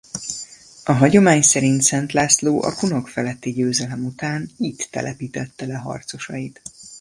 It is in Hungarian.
A hagyomány szerint Szent László a kunok feletti győzelem után itt telepítette le harcosait.